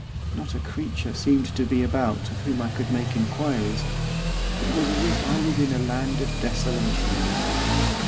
Not a creature seemed to be about of whom I could make inquiries. It was as if I was in a land of desolation.